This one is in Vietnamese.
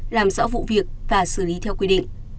làm rõ vụ việc và xử lý theo quy định